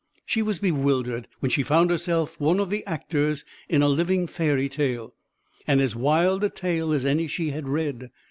She was bewildered, when she found herself one of the actors in a living fairy tale, and as wild a tale as any she had read.